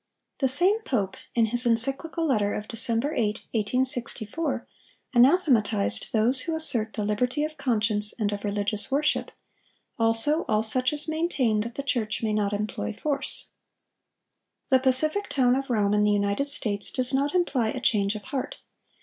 The same pope, in his Encyclical Letter of December 8, 1864, anathematized 'those who assert the liberty of conscience science and of religious worship,' also 'all such as maintain that the church may not employ force.' "The pacific tone of Rome in the United States does not imply a change of heart.